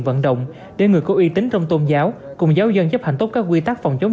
vận động để người có uy tín trong tôn giáo cùng giáo dân chấp hành tốt các quy tắc phòng chống